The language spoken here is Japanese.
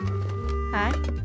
はい。